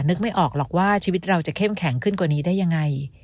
นึกไม่ออกหรอกว่าชีวิตเราจะเข้มแข็งขึ้นกว่านี้ได้ยังไง